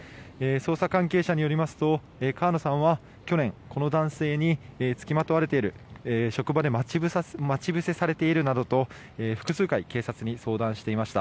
捜査関係者によりますと川野さんは去年、この男性に付きまとわれている職場で待ち伏せされているなどと複数回警察に相談していました。